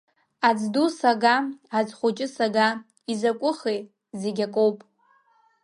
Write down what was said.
Аӡ ду сага, аӡ хәыҷы сага изакәыхи, зегь акоуп.